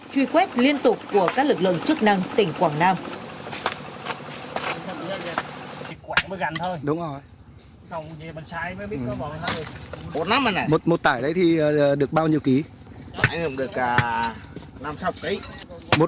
truy quét liên tục của các lực lượng chức năng tỉnh quảng nam